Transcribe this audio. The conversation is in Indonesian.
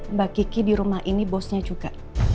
mbak kiki dirumah ini bosnya juga